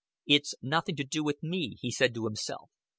"It's nothing to do with me," he said to himself.